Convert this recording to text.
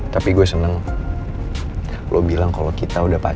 tapi gue seneng lo bilang kalau kita udah pakai